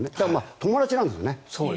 友達なんですよね。